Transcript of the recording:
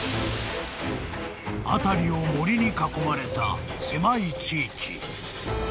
［辺りを森に囲まれた狭い地域］